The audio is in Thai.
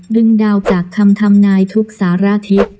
ดาวจากคำทำนายทุกสารทิศ